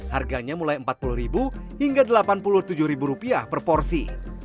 harganya mulai empat puluh hingga delapan puluh tujuh rupiah per porsi